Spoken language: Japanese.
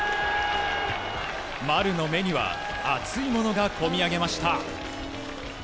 丸の目には熱いものがこみ上げました。